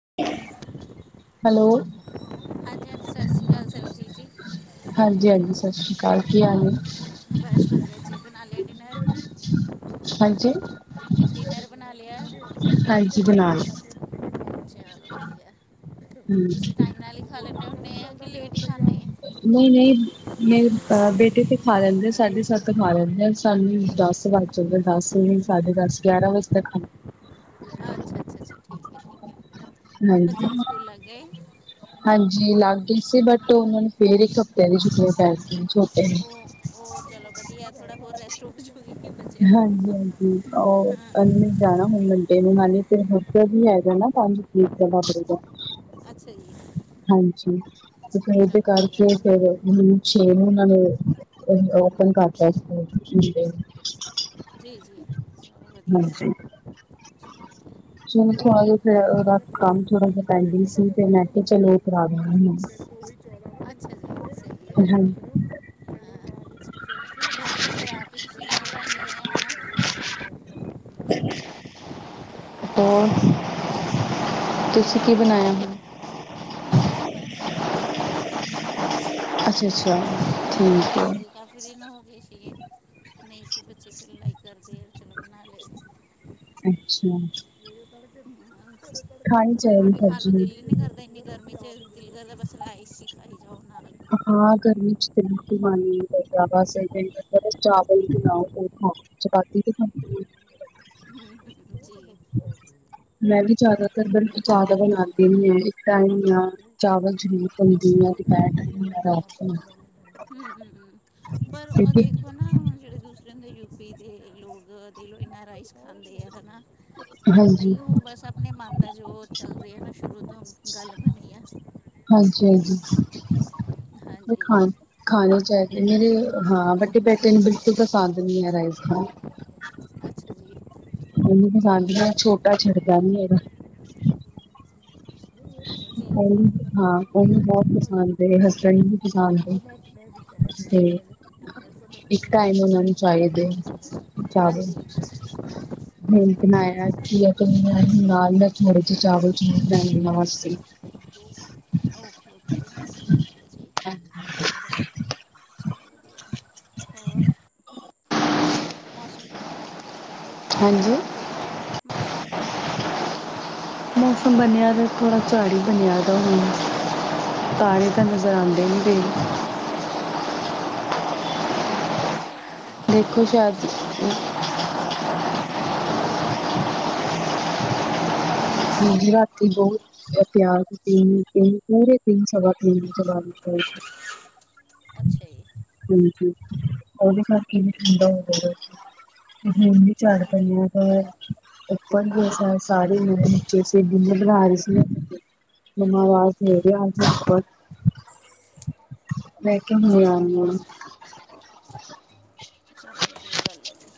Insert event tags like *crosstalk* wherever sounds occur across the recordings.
*inaudible* Hello ਸਤਿ ਹਾਂਜੀ ਸ਼੍ਰੀ ਅਕਾਲ ਸਰਸ਼ੀਤ ਜੀ ਹਾਂਜੀ ਹਾਂਜੀ ਸਤਿ ਸ਼੍ਰੀ ਅਕਾਲ ਕੀ ਹਾਲ ਨੇ *unintelligible* ਮਬਾਈਸ਼ ਬ ਜੀ *unintelligible* ਬਣਾ ਲਿਆ ਡਿਨਰ ਡਿਨਰ ਬਣਾ ਲਿਆ ਹ ਜੀ ਦੇ ਨਾਲ *unintelligible* *inaudible* ਹਾਂ ਵਧੀਆ ਤੁਸੀਂ ਟਾਈਮ ਨਾਲ ਹੀ ਖਾ ਲੈਦੇ ਹੁੰਦੇ ਆ ਕਿ ਲੇਟ ਖਾਂਦੇ ਆ ਨਹੀਂ ਨਹੀਂ ਮੇਰੇ ਅ ਬੇਟੇ ਤੇ ਖਾ ਲੈਂਦੇ ਆ ਸਾਢੇ ਸੱਤ ਖਾ ਲੈਂਦੇ ਆ ਸਾਨੂੰ ਦਸ ਵੱਜ ਚਦੋ ਦਸ ਵੀ ਸਾਢੇ ਦਸ ਗਿਆਰਾਂ ਵਜੇ ਤੱਕ ਖ *unintelligible* ਅੱਛਾ ਅੱਛਾ ਅੱਛਾ ਠੀਕ ਬੱਚਿਆਂ ਦੇ ਹਾਂਜੀ ਸਕੂਲ ਲਗ ਗਏ ਹਾਂਜੀ ਲੱਗ ਗਈ ਸੀ ਬਟ ਉਹਨਾਂ ਨੂੰ ਫੇਰ ਇੱਕ ਹਫ਼ਤਿਆਂ ਦੀ ਛੁਟੀਆਂ ਪੈ ਗਈ ਛੋਟੇ *unintelligible* ਉਹ ਉਹ ਚਲੋ ਵਧੀਆ ਥੋੜਾ ਹੋਰ ਰੈਸਟ ਹੋ ਜਾਊਗੀ ਹਾਂਜੀ ਹਾਂਜੀ *unintelligible* ਜਾਣਾ ਹੁਣ ਮੰੰਟੇ ਨੂੰ ਹੀ ਫਿਰ ਹ ਹੀ ਹੈਗਾ ਨਾ ਪੰਜੀ ਦਾ *unintelligible* ਅੱਛਾ ਜੀ ਹਾਂਜੀ ਤੇ ਇਹਦੇ ਚਲੋ ਵਧੀਆ ਕਰਕੇ ਫੇਰ ਚੇਨ ਨਾਲੂੰ ਓਪਨ ਕਰਤਾ ਸੀ ਰਿਸ਼ੀਕੇਸ਼ ਜੀ ਜੀ ਸਭ ਵਧੀਆ ਐ ਚ ਥੋੜਾ ਜ ਕੰਮ ਥੋੜਾ ਜਿ ਮੈਨੂੰ ਤਾਂ ਇੱਕ ਪੈਂਡਿੰਗ ਅੱਧਾ ਸੀ ਫ ਦਿਨ ਤੇ ਦੇ ਮੈਂ ਦਿਓ ਕਿਹਾ ਮਾਰਾ ਹੀ ਚਲੋ *unintelligible* ਹੁਣ ਜੋ ਖਰਾਬਮ ਹ ਮੇਰੇ ਤੋਂ ਉਹੀ ਚੌਲਾ ਵਾ ਅੱਛਾ ਜੀ ਤੇ ਸਹੀ ਹੈ ਮੇਰੀ ਗੱਲ ਸੁਣੋ *unintelligible* ਬੱਚਿਆਂ ਨੂੰ ਫੇਰ ਆਪ ਹੀ ਤੁਸੀਂ ਬੜਾ *unintelligible* ਮ ਹਨ ਨਾ *unintelligible* ਟੋ ਤੁਸੀਂ ਕੀ ਬਣਾਇਆ ਹਣ *unintelligible* ਮੈਂ ਬਸ ਬਣਾ ਲਿਆ ਆਲੂ ਮਟਰ ਬਣਾ ਲਏ ਸੀਗੇ ਅੱਛਾ ਅੱਛਾ ਠੀਕ ਹੈ ਹਾਂਜੀ ਕਾਫੀ ਦਿਨ ਹੋ ਗਏ ਸੀਗੇ ਨਹੀਂ ਸੀ ਬੱਚੇ ਫਿਰ ਲਾਈਕ ਕਰਦੇ ਚਲੋ ਬਣਾ ਲਏ ਅੱਛਾ ਖਾਣੀ ਚਾਹੀਦੀ ਰੋਟੀ ਖਾਣ ਨੂੰ ਸਬਜ਼ੀ ਦਿਲ ਹੀ ਨੀ ਕਰਦਾ ਨੀ ਗਰਮੀ ਚ ਦਿਿਲ ਕਰਦਾ ਐ ਬਸ ਰਈਸ ਹੀ ਖਾਇ ਜਾਓ ਨਾਲ ਹਾਂ ਗਰਮੀ ਚ ਮਨ ਨਈ ਕਰਦਾ ਬਸ ਦਿਲ ਕਰਦਾ ਏ ਚਾਵਲਓ ਹੀ ਖਾਓ ਚਪਾਤੀ ਤੇ ਖਾਂਨ ਨੁੰ ਦਿਲ ਹੀ ਨਹੀਂ ਕਰਦਾ ਹਮ ਹਮ ਜੀ ਠੀਕ ਹੈ ਮੈਂ ਵੀ ਜ਼ਿਆਦਾਤਰ ਬ ਚਾਵਾਲ ਬਣਾ ਉਹਨੇ ਜੀ ਦੇਣੀ ਹ ਇੱਕ ਘੱਟੋ ਟਾਈਮ ਘੱਟ ਆ ਲਾਸਟ ਨੂੰ ਚਾਵਲ ਜਰੂਰ ਪੰਜ ਸੱਤ ਦੁਨੀਆਂ ਦੀ ਟ੍ਰੇਡਾਂ ਛੋਟੀ ਪੈਂਡ ਛੋਟੀਆਂ ਹਮ ਹਮ ਪਰ ਉਹ ਕਿਉਂਕਿ ਦੇਖੋ ਨਾ ਹੁਣ ਜਿਹੜੇ ਦੂਸਰੇ ਯੂਪੀ ਦੇ ਲੋਕ ਦੇ ਲਓ ਇੰਨਾ ਰਾਈਸ ਖਾਂਦੇ ਆ ਹੈ ਨਾ ਬਟ ਹਾਂਜੀ ਨਹੀਂ ਉਹ ਬਸ ਆਪਣੇ ਮਨ ਦਾ ਜੋ ਚੱਲ ਰਿਹਾ ਹੈ ਨਾ ਸ਼ੁਰੂ ਤੋਂ ਗੱਲ ਬਣੀ ਆ ਹਾਂਜੀ ਹਾਂਜੀ ਹਾਂਜੀ ਖਾ ਖਾਣੇ ਚਾਹੀਦੇ ਨੇ ਹਾਂ ਬਟੇ ਬੇਟੇ ਨੂੰ ਬਿਲਕੁਲ ਪਸੰਦ ਨਹੀਂੀ ਹੈ ਰਾਈਸ ਖਣ ਅੱਛਾ ਜੀ ਮੈਨੂੰ ਪਸੰਦ ਮ ਛੋਟਾ ਛਿਰਦਾ ਨੀ ਮੇਰੇ ਜੀ ਉਹਨ ਜੀ ਹਾਂ ਉਹਨੂੰ ਬਹੁਤ ਪਸੰਦ ਹਸਬੈਂਡ ਨੂੰ ਹਾਂਜੀ ਮੈਂ ਮੈਂ ਵੀ ਤੇ, ਇੱਕ ਟਾਈਮ ਉਹਨਾ ਨੂੰ ਚਾਹੀਦੇ ਚਵਲ ਹਾਂਜੀ ਹ ਬਣਾਇਆੀ ਸੀ ਦੇ ਨਾਲੌ ਨਾਲ ਮੈ ਥੋੜੇ ਜੈ ਚਾਵਲ ਚੁਵਲ ਨਮਸਤੇ। ਓਕੇ ਓਕੇ ਜੀ ਠੀਕ ਹੈ ਜੀ। ਚਲੋ ਵਧੀਆ ਏ ਹੋਰ ਮੌਸਮ ਕਿੱਦਾਂ ਤੁਹਾਡਾ, ਚੱਲ ਰਿਆ ਏ ਹਾਂਜੀ। ਮੌਸਮ ਕਿੱਦਾਂ। ਮੌਸਮ ਬਣਿਆ ਤਾਂ ਥੋੜ੍ਹਾ ਝਾੜ ਹੀ ਬਣਿਆ ਤਾਂ ਹੁਣ, ਤਾਰੇ ਤਾਂ ਨਜ਼ਰ ਆਂਦੇ ਨਿ *unintelligible* ਹਾ ਠੀਕ ਹੈ ਦੇਖੋ ਮਤਲਬ, ਸ਼ਾਇਦ ਬੱਦਲ ਬੱਦਲ ਜਿਹੜਾ ਹੀ ਸੀਗਾ, ਪਰ ਨਹੀਂ ਹੁਣ ਤਾਂ ਹਵਾ ਵੀ ਬੰਦ ਹੋ ਗਈ ਹੈ। ਹਾਂਜੀ ਰਾਤੀ ਬਹੁਤ ਪਿਆਰ ਸੀਨ ਪੂਰੇ ਦਿਨ ਸ ਹਮ ਬ *unintelligible* ਅੱਛਾ ਜੀ ਜੀ ਜੀ ਉਹਦੇ ਚਲੋ ਕਰਕੇ ਵਧੀਆ ਠੰਡਾ ਹੋੁੰਦਾ ਤੇ ਜੀ ਚਾਰ ਪੰਜ ਹਾਂਜੀ ਲੋਕ ਹੈ ਅਪਨ ਵੀ ਸਾਰੇ ਲੋਕ ਤੁਸੀ ਬਿੱਲ ਬਣਾ ਰਹੇ ਸੀ ਮੈਨੂੰ ਹਾਂਜੀ ਆਵਾਜ਼ ਦੇ ਦੇ ਆਜਕਲ ਮੈਂ ਕਿਹਾ ਹੈ ਅੱਛਾ ਜੀ ਆਨੀ ਆ ਚਲੋ ਵਧੀਆ ਗੱਲ ਹੈ ਜੀ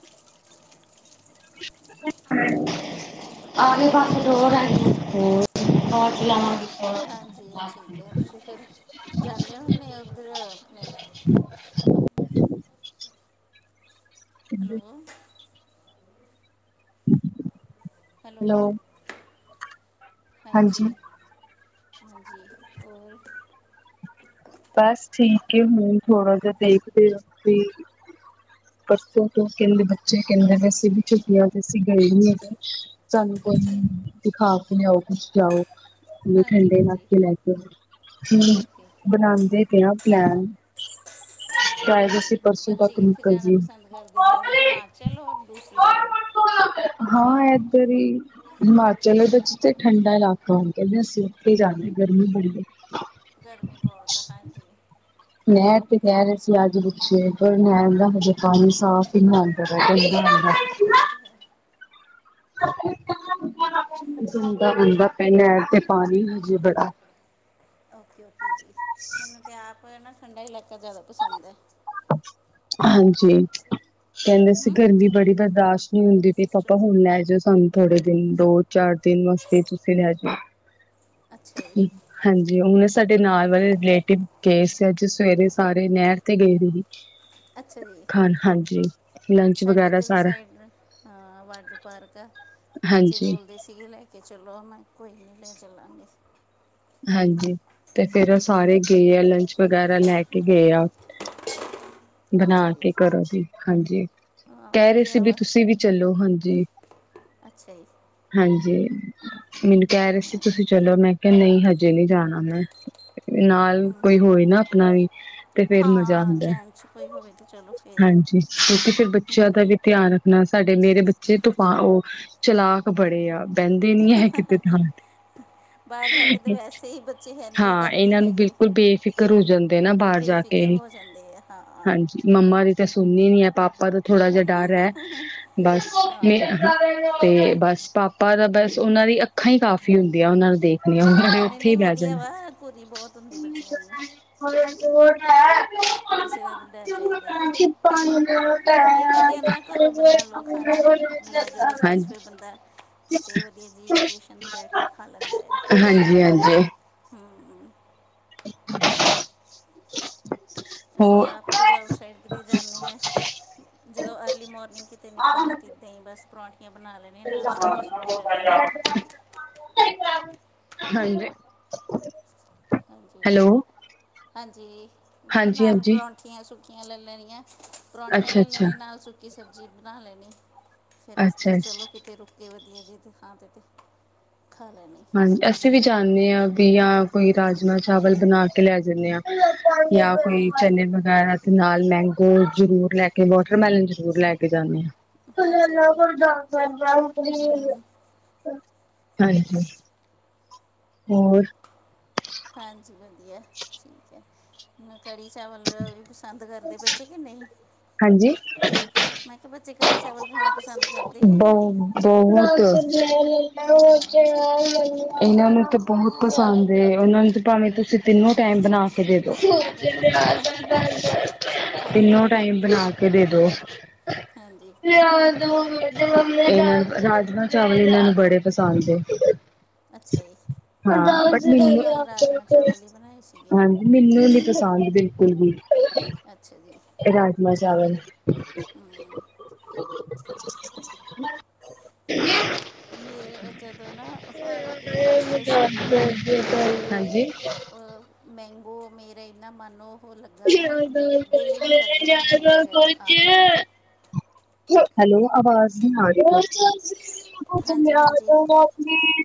ਹਮ *unintelligible* *unintelligible* ਹਾਂਜੀ ਠੀਕ ਹੈ ਤੁਸੀਂ ਫਰ ਜਾਂਦੇ ਹੁੰਦੇ ਉੱਧਰ ਆਪਣੇ ਹੈਲੋ। ਹੈਲੋ। ਹਾਂਜੀ, ਹਾਂਜੀ ਹੋਰ। ਬਸ ਠੀਕ ਹੁਣ, ਥੋੜਾ ਜਿਹਾ ਦੇਖਦੇ ਹਾ ਤੇ ਪਰਸੋਂ ਤੋਂ ਕਹਿੰਦੇ ਬੱਚੇ ਕਹਿੰਦੇ ਵ ਅਸੀ ਵੀ, ਛੁਟਿਆਂ ਚਅਸੀਂ ਗਏ ਨੀ ਹੈਗੇ। ਸਾਨੂੰ ਕੋਈ, ਅੱਛੇ ਦਿਖਾ ਕੇ ਲਿਆਓ ਕੁਛ ਲਿਆਓ। ਹਾਂਜੀ ਠੰਡੇ ਹਾਂਜੀ ਇਲਾਕੇ ਲੈ ਕੇ ਹ, ਓਕੇ ਓਕੇ ਬਣਾਉਦੇ ਪਏ ਆ ਪਲੈਨ। ਹਾਂ। ਹਾਂ ਸ਼ਾਇਦ ਅਸੀਂ ਨਹੀਂ ਪਰਸੋਂ ਬੱਚੇ ਤੱਕ ਕਿੱਥੇ ਨਿਕਲ ਜਾਣਾ ਜੀ ਪਸੰਦ ਕਰਦੇ ਜਿਆਦਾ, ਹਿਮਾਚਲ ਔਰ ਦੂਸਰੀ ਸਾਈਡ। ਹਾਂ ਬਾਹਰ ਇਦਰ ਹੀ ਹਿਮਾਚਲਦੇ ਤੇ ਠੰਡਾ ਇਲਾਕਾ ਹੋ ਕਹਿੰਦੇ, ਅਸੀਂ ਉੱਥੇ ਜਾਦੇ ਹਾਂ ਗਰਮੀ ਬੜੀ। ਗਰਮੀ ਬਹੁਤ ਆ ਹਾਂਜੀ। ਨਹਿਰ ਤੇ ਇਹ ਤਾਂ ਕਹਿ ਹੈ ਰਹੇ ਸੀ, ਅੱਜ ਪਛੇ ਪਰ ਨਹਿਰ ਦਾ ਹਜੇ ਪਾਣੀ ਸਾਫ਼ ਹੀ ਨਾਲ ਦਾ ਹਾਂਜੀ *inaudible* ਇਹ ਤਾਂ ਹੈ ਉਦਾ ਹੁੰਦਾ ਪੈ, ਨਹਿਰ ਤੇ ਪਾਣੀ ਹਜੇ ਬੜਾ ਓਕੇ ਓਕੇ ਜੀ, ਮੈਨੂੰ ਤੇ ਆਪ ਹਨ ਨਾ ਠੰਡਾ ਇਲਾਕਾ ਜ਼ਿਆਦਾ ਪਸੰਦ ਹੈ। ਹਾਂਜੀ। ਕਹਿੰਦੇ ਸੀ ਹੂੰ ਗਰਮੀ ਬੜੀ ਬਰਦਾਸ਼ਤ ਨਹੀਂ ਹੁੰਦੀ ਇਹਦੀ ਪਈ, ਸਿਸਟਰ ਪਾਪਾ ਨੂੰ ਹੁਣ ਲੈ ਜਾਓ ਸਾਨੂੰ। ਥੋੜੇ ਦਿਨ, ਦੋ ਚਾਰ ਦਿਨ ਮਸਤੀ ਤੁਸੀਂ ਰਹਿ ਜਾਓ। ਅੱਛਾ ਜੀ। ਹਾਂਜੀ ਉਹਨੇ ਸਾਡੇ ਨਾਲ ਵਾਲੇ ਰਿਲੇਟਿਵ, ਗਏ ਸੀ ਅੱਜ ਸਵੇਰੇ ਸਾਰੇ ਨਹਿਰ ਤੇ ਗਏ ਹੋਏ ਸੀ ਅੱਛਾ ਜੀ, ਖਾਣ ਹਾਂਜੀ ਲੰਚ ਸਾਡੇ ਵਗੈਰਾ ਇੱਧਰ ਵੀ ਸਾਰਾ ਸਾਈਡ ਹਾਂ ਵਾਟਰ ਪਾਰਕ ਆ, ਬੱਚੇ ਹਾਂਜੀ ਬੋਲਦੀ ਸੀ। ਠੀਕ ਲੈ ਕੇ ਚਲੋ, ਮੈਂ ਕੋਈ ਨਹੀਂ ਲੈ ਚਲਾਂਗੇ ਹਾਂਜੀ, ਤੇ ਫੇਰ ਉਹ ਸਾਰੇ ਗਏ ਆ ਲੰਚ ਵਗੈਰਾ ਲੈ ਕੇ ਗਏ ਆ। ਬਣਾ ਅੱਛਾ ਜੀ ਕੇ ਘਰੋਂ ਦੀ ਹਾਂਜੀ ਹਾਂ ਕਹਿ ਰਹੇ ਸੀ ਵਧੀਆ ਵੀ ਵਾ ਤੁਸੀਂ ਵੀ ਚਲੋ ਹਾਂਜੀ ਅੱਛਾ ਜੀ ਹਾਂਜੀ ਮੈਨੂੰ ਕਹਿ ਰਹੇ ਸੀ ਹਾਂ, ਤੁਸੀਂ ਇਸ- ਚਲੋ ਮੈਂ ਕਿਹਾ ਨਹੀਂ ਹਜੇ ਨਹੀਂ ਜਾਣਾ ਮੈਂ ਨਾਲ ਕੋਈ ਹੋਏ ਨਾ ਆਪਣਾ ਵੀ ਤੇ ਫੇਰ ਮਜ਼ਾ ਹਾਂ ਆਉਂਦਾ ਜੇਂਟਸ ਕੋਈ ਹੋਵੇ ਤਾਂ ਚਲੋ ਫੇਰ ਕਿਉੰਕਿ ਫਿਰ ਬੱਚਿਆਂ ਦਾ ਵੀ ਧਿਆਨ ਰੱਖਣਾ ਸਾਡੇ ਮੇਰੇ ਬੱਚੇ ਤੂਫਾਨ ਉਹ ਚਲਾਕ ਬੜੇ ਆ ਬਹਿੰਦੇ ਨੀ ਹੈ ਕਿਤੇ ਥਾਂ ਤੇ ਬਾਹਰ ਜਾ ਕੇ ਵੈਸੇ ਹੀ ਬੱਚੇ ਹੈਨੀਓ ਹਾਂ ਕਰਦੇ ਇਹਨਾਂ ਨੂੰ ਹੈਗੇ ਬਿਲਕੁਲ ਬੇਫਿਕਰ ਹੋ ਜਾਂਦੇ ਨਾ ਬਾਹਰ ਜਾ ਕੇ ਬੇਫਿਕਰ ਹੋ ਜਾਂਦੇ ਆ ਹਾਂ ਹਾਂ ਹਾਂਜੀ ਮੰਮਾ ਦੀ ਤਾਂ ਸੁਣਨੀ ਨੀ ਹੈ ਪਾਪਾ ਦਾ ਥੋੜਾ ਜਿਹਾ ਡਰ ਹੈ ਬਸ ਮ ਹਾਂ ਤੇ ਬਸ ਪਾਪਾ ਦਾ ਬਸ ਉਨ੍ਹਾਂ ਦੀਆਂ ਅੱਖਾਂ ਈ ਕਾਫੀ ਹੁੰਦੀਆਂ ਉਨ੍ਹਾਂ ਨੂੰ ਦੇਖ ਲੀਏ ਹਾਂ ਨਹੀਂ ਨਹੀਂ ਵਧੀਆ ਵਾ ਘੁਰੀ ਬਹੁਤ ਹੁੰਦੀ ਹਾਂਜੀ। ਬੱਚਿਆਂ ਨੂੰ *inaudible* *unintelligible* ਕਿਸੇ ਦਾ ਤਾਂ ਡਰ ਚਾਹੀਦਾ ਹੀ ਆ ਇਹ ਵਧੀਆ ਹੁੰਦਾ ਨਾ ਘਰੋਂ ਬਣਾ ਲਓ ਖਾਣਾ ਲੈ ਜਾਓ *unintelligible* ਰਸਤੇ 'ਚ ਹਾਂਜੀ। ਫਿਰ ਬੰਦਾ ਕਿਤੇ ਵਧੀਆ ਜੀ ਲੋਕੇਸ਼ਨ ਤੇ ਬੈਠ ਕੇ ਖਾ ਲੈਂਦਾ ਏ, ਹਾਂਜੀ ਹੂੰ *unintelligible* ਅਸੀਂ ਹੋਰ ਆਪ ਜਦੋਂ ਆਊਟਸਾਈਡ ਕਿਤੇ ਜਾਂਦੇ ਹਾਂ। ਜਦੋਂ ਅਰਲੀ ਮੋਰਨਿੰਗ ਕਿਤੇ ਨਿਕਲਣਾ ਤਾਂ, ਇੱਦਾਂ ਹੀ ਬਸ ਪਰੌਂਠੀ ਪਰਾਂਠੀਆਂ ਬਣਾ ਲੈਣੇ ਨਾਲ ਸਬਜ਼ੀ ਸੁੱਕੀ ਲੈ ਲੈਣੇ। *unintelligible* ਹਾਂਜੀ *inaudible* ਹਾਂਜੀ ਹੈਲੋ *unintelligible* ਹਾਂਜੀ ਮੈਂ ਕਿਹਾ ਹਾਂਜੀ ਨਾਲ ਹਾਂਜੀ ਪਰੋਂਂਠੇ ਮਠੀਆਂ ਸੁੱਕੀਆਂ ਲੈ ਲੈਣੀਆਂ ਪਰੌਂਠੀਆਂ ਅੱਛਾ ਲੇ ਅੱਛਾ ਲੈਣੀਆਂ ਨਾਲ ਸੁੱਕੀ ਸਬਜ਼ੀ ਬਣਾ ਲੈਣੀ ਫੇਰ ਰਸਤੇ ਅੱਛਾ ਚ ਅੱਛਾ ਚਲੋ ਕਿਤੇ ਰੁਕੇ ਵਧੀਆ ਜੀ ਤੇ ਥਾਂ ਤੇ ਤੇ ਖਾ ਲੈਣੇ ਹਾਂਜੀ ਅਸੀਂ ਵੀ ਜਾਂਨੇ ਹਾਂ ਵੀ ਯਾਂ ਕੋਈ ਰਾਜਮਾਂ ਚਾਵਲ ਬਣਾ ਕੇ ਲੈ ਜਣੇ ਆਂ ਯਾਂ ਕੋਈ ਚਨੇ ਵਗੈਰਾ ਤੇ ਨਾਲ ਮੈਂਗੋ ਜ਼ਰੂਰ ਲੈ ਕੇ ਵਾਟਰਮੈਲਨ ਜ਼ਰੂਰ ਲੈ ਕੇ ਜਾਂਦੇ ਆਾਂ ਅੱਛਾ ਜੀ ਹਮ, *unintelligible* ਹਾਂਜੀ ਹੋਰ ਹਾਂਜੀ ਵਧੀਆ ਠੀਕ ਐ ੁ ਕੜ੍ਹੀ ਚਾਵਲ ਵੀ ਪਸੰਦ ਕਰਦੇ ਬੱਚੇ ਕਿ ਨਹੀਂ ਹਾਂਜੀ ਮੈਂ ਕਿਹਾ ਬੱਚੇ ਕੜੀ ਚਾਵਲ ਖਾਣਾ ਪਸੰਦ ਕਰਦੇ ਆ ਕੇ ਬਹੁ ਨਹੀਂ ਬਹੁਤ ਹਾਂ ਇਹਨਾ ਨੂੰ ਤਾਂ ਬਹੁਤ ਪਸੰਦ ਏ ਉਹਨਾਂ ਨੂੰ ਭਾਵੇਂ ਤੁਸੀਂ ਤਿੰਨੋ ਟਾਈਮ ਬਣਾ ਦੇਦੋ ਬਣਾ ਕੇ ਦੇ ਦਿਓ ਸੌਖਾ ਤਿੰਨੋ ਹੈ ਫਿਰ ਟਾਈਮ ਕੀ ਬਣਾ ਕੇ ਦੇ ਦੋ ਹਾਂਜੀ ਇਹ ਰਾਜਮਾਂ ਚਾਵਲ ਏਨਾ ਨੂੰ ਬੜੇ ਪਸੰਦ ਏ ਅੱਛਾ ਜੀ ਹਾਂ ਹਾਂ *inaudible* ਮੈਂ ਵੀ ਕੱਲ ਰਾਜਮਾ ਚਾਵਲ ਹੀ ਬਣਾਏ ਸੀਗੇ ਮੈਨੂੰ ਨੀ ਪਸੰਦ ਬਿਲਕੁਲ ਵੀ ਅੱਛਾ ਜੀ ਰਾਜਮਾ ਚਾਵਲ ਹਮ *inaudible* ਮੇਰੇ ਜਦੋਂ ਨਾ ਹਲ ਫਸਟ ਸੀਗੀ ਡਿਲੀਵਰੀ ਹਾਂਜੀ। ਅ ਮੈਂਗੋ ਮੇਰਾ ਇੰਨਾ ਮਨੋ ਯਾਰ ਹੁਣ ਮੈਂਗੋ ਵਗੈਰਾ ਕੋਜ ਖਾਣ ਨੂੰ *inaudible* ਹੈਲੋ ਆਵਾਜ਼ ਨੀ ਆ ਰਹੀ ਹਾਂਜੀ ਹਾਂਜੀ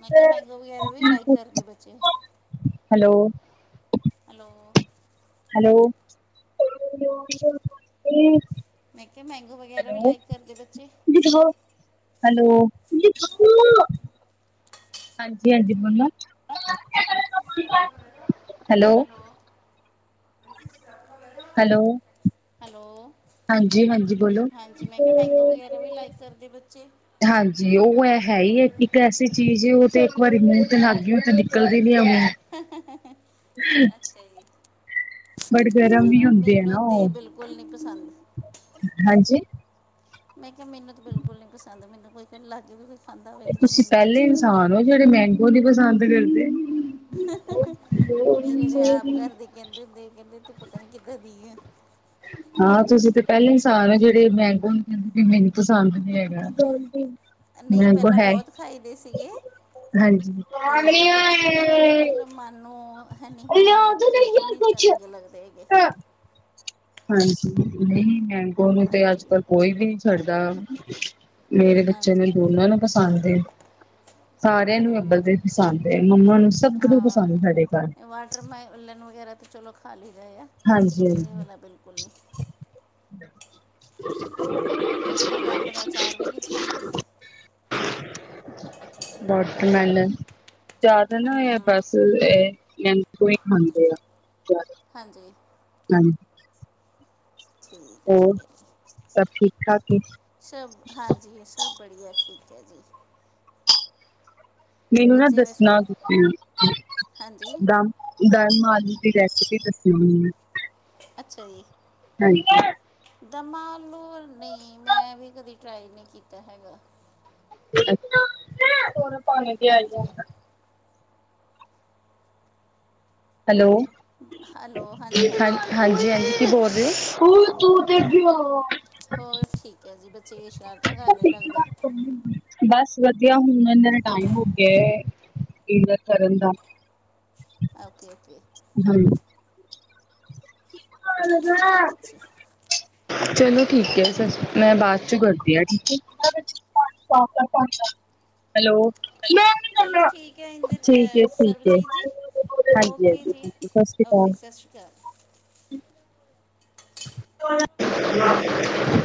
ਮੈਂ ਕਿਹਾ ਮੈਂਗੋ ਵਗੈਰਾ ਵੀ ਲਾਈਕ ਕਰਦੇ ਬੱਚੇ ਹੈਲੋ ਹੈਲੋ ਹੈਲੋ ਹਮ ਮੈਂ ਕਿਹਾ ਮੈਂਗੋ ਵਗੈਰਾ ਵੀ ਲਾਈਕ ਕਰਦੇ ਬੱਚੇ ਹੈਲੋ ਹਾਂਜੀ ਹਾਂਜੀ ਬੋਲੋ ਹੈਲੋ ਹੈਲੋ ਹੈਲੋ ਹਾਂਜੀ ਹਾਂਜੀ ਬੋਲੋ ਹਾਂਜੀ ਮੈਂ ਕਿਹਾ ਮੈਂਗੋ ਵਗੈਰਾ ਵੀ ਲਾਈਕ ਕਰਦੇ ਬੱਚੇ, ਹਾਂਜੀ ਉਹ ਹੈ ਹੀ ਹੈ ਇੱਕ ਐਸੀ ਚੀਜ਼ ਉਹ ਤੇ ਇੱਕ ਵਾਰੀ ਮੂੰਹ ਤੇ ਲਾਗੀ ਉਹ ਤੇ ਨਿਕਲਦੀ ਨੀ ਹੈ ਮੂੰਹ, ਅੱਛਾ ਜੀ ਬਟ ਗਰਮ ਵੀ ਅ ਹੁੰਦੇ ਆ ਮੈਨੂੰ ਨਾ ਤੇ ਉਹ ਬਿਲਕੁਲ ਨੀ ਪਸੰਦ ਹਾਂਜੀ ਮੈਂ ਕਿਹਾ ਮੈਨੂੰ ਤਾਂ ਬਿਲਕੁਲ ਨਹੀਂ ਪਸੰਦ ਮੈਨੂੰ ਕੋਈ ਲਾਗੇ ਵੀ ਕੋਈ ਖਾਂਦਾ ਹੋਵੇ ਤਾਂ ਮੈਨੂੰ ਨਹੀਂ ਅੱਛੇ ਲੱਗਦੇ। ਬੜੇ ਮੈਂਗੋ ਨੀ ਪਸੰਦ ਕਰਦੇ ਮੇਰੇ ਤੇ ਆਪ ਘਰ ਦੇ ਕਹਿੰਦੇ ਹੁੰਦੇ ਕਹਿੰਦੇ ਤੂੰ ਪਤਾ ਨੀ ਕਿੱਦਾਂ ਦੀ ਐ ਹਾਂ ਤੁਸੀਂ ਤੇ ਪਹਿਲੇ ਇਨਸਾਨ ਹੈ ਜਿਹੜੀ ਮੰਗੋ ਨੂੰ ਕੇਂਦੇ ਕਿ ਮੈਨੂੰ ਪਸੰਦ ਨੀ ਹੈਗਾ ਨਹੀਂ ਮੰਗੋ ਪਹਿਲਾਂ ਹੈ ਬਹੁਤ ਖਾਈਦੇ ਸੀਗੇ ਹਾਂਜੀ ਤੇ ਪਤਾ ਨਹੀਂ ਕਿਉਂ ਮਤਲਬ ਮਨ ਨੂੰ ਹੈ ਨਹੀਂ ਹੁਣ ਦੋ ਬਿਲਕੁਲ ਯਾਰ ਨਹੀਂ ਕੁਛ ਚੰਗੇ ਲੱਗਦੇ ਹੈਗੇ ਹਾਂਜੀ ਨਹੀਂ ਮੈਂਗੋ ਨੂੰ ਤੇ ਅੱਜ ਹਾਂਜੀ ਕੱਲ ਕੋਈ ਵੀ ਨਹੀਂ ਛੱਡਦਾ ਮੇਰੇ ਬੱਚੇ ਨੂੰ ਹਾਂਜੀ ਦੋਨਾਂ ਨੂੰ ਪਸੰਦ ਏ ਸਾਰਿਆਂ ਨੂੰ ਅੱਬਲ ਤੇ ਪਸੰਦ ਹੈ ਮੰਮਾ ਨੂੰ ਸਭ ਨੂੰ ਪਸੰਦ ਸਾਡੇ ਘਰ, ਪਰ ਮੈਂ ਉੱਲਣ ਵਗੈਰਾ ਤਾਂ ਚਲੋ ਖਾ ਲਈ ਦਾ ਏ ਆ ਹਾਂਜੀ ਹਾਂਜੀ ਬੁੱਲ *inaudible* *unintelligible* ਮੈਂ ਤਾਂ ਅੰਬ ਦਾ ਆਚਾਰ ਵੀ ਨਹੀਂ ਖਾਂਦੀ। ਵੋਟਰਮੈਲਨ ਜ਼ਿਆਦਾ ਨਾ ਇਹ ਹਾਂ ਬਸ ਇਹ ਮੈਂਗੋ ਹੀ ਖਾਂਦੇ ਆ। ਹਾਂਜੀ ਹਾਂਜੀ ਠੀਕ ਹੈ ਹੋਰ ਠੀਕ ਹੈ ਜੀ ਸਭ ਠੀਕ ਠਾਕ ਏ ਸਭ ਹਾਂਜੀ ਸਭ, ਬੜੀਆ ਠੀਕ ਹੈ ਜੀ ਮੈਨੂੰ ਨਾ ਬੱਚਿਆਂ ਦੇ ਦੱਸਣਾ, ਸਕੂਲ ਹਾਂਜੀ ਦਮ ਆਲੂ ਦੀ ਰੈਸਿਪੀ ਦੱਸਣੀ, ਅੱਛਾ ਜੀ, ਹਾਂਜੀ, ਦਮਾ ਆਲੂ ਨਹੀਂ ਮੈਂ ਵੀ ਕਦੇ ਟਰਾਈ ਨਹੀਂ ਕੀਤਾ ਹੈਗਾ। *unintelligible* ਪਾਣੀ ਦੀ *unintelligible* ਹਾਂਜੀ ਹੈਲੋ ਜੀ ਹਾਂ ਹਾਂਜੀ, ਹਾਂਜੀ-ਹਾਂਜੀ, ਕੀ ਬੋਲ ਰਹੇ, ਹੋਰ ਠੀਕ ਐ ਜੀ ਬੱਚੇ ਸ਼ਰਾਰਤਾਂ ਕਰ ਰਹੇ ਲੱਗਦਾ। ਹੂੰ, ਬਸ ਵਧੀਆ ਹੁਣ ਇਹਨਾਂ ਦਾ ਟਾਈਮ ਹੋ ਗਿਆ ਇਨਾਂ ਕਰਨ ਦਾ ਓਕੇ-ਓਕੇ, ਹਾਂਜੀ, ਠੀਕ ਹੈ ਜੀ *unintelligible* ਚਲੋ ਠੀਕ ਐ, ਫਿਰ ਮੈਂ ਬਾਅਦ ਚ ਕਰਦੀ ਆ ਠੀਕ ਆ। ਹੈਲੋ, ਠੀਕ ਚਲੋ ਹੈ ਠੀਕ ਐ ਇੰਦਰ ਅਹ ਠੀਕ ਹੈ ਸਰਬਜੀਤ ਜੀ। ਹਾਂਜੀ ਓਕੇ ਹਾਂਜੀ ਜੀ ਓਕੇ, ਸਤਿ ਸ਼੍ਰੀ ਅਕਾਲ। ਹੂੰ, *unintelligible*